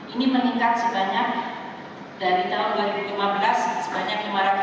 ini meningkat sebanyak dari tahun dua ribu lima belas sebanyak lima ratus